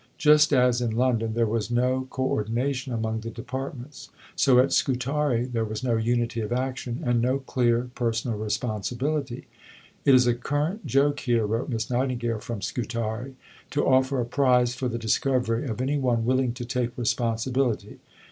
Just as in London there was no co ordination among the Departments, so at Scutari there was no unity of action, and no clear personal responsibility. "It is a current joke here," wrote Miss Nightingale from Scutari, "to offer a prize for the discovery of any one willing to take responsibility."